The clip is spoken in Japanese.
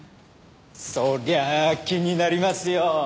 そりゃあ気になりますよ。